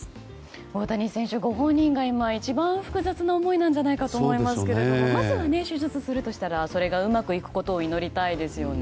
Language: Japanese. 大谷選手、ご本人が今一番複雑な思いじゃないかと思いますがまずは手術するとしたらそれがうまくいくことを祈りたいですよね。